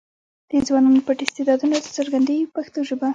د ځوانانو پټ استعدادونه راڅرګندوي په پښتو ژبه.